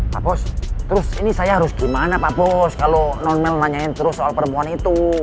pak pos terus ini saya harus gimana pak bos kalau non mel nanyain terus soal perempuan itu